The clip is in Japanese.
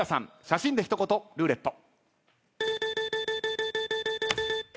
写真で一言ルーレット。